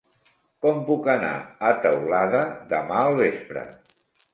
Com puc anar a Teulada demà al vespre?